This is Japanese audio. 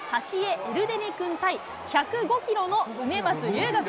エルデネ君対１０５キロの梅松琉牙君。